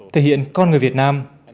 thể hiện con người việt nam